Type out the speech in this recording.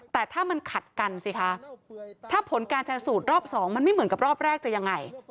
แต่ถ้ามันขัดกันสิคะถ้าผลการชนสูตรรอบสองมันไม่เหมือนกับรอบแรกจะยังไง